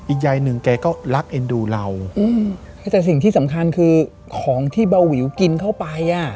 ยายหนึ่งแกก็รักเอ็นดูเราอืมแต่สิ่งที่สำคัญคือของที่เบาวิวกินเข้าไปอ่ะ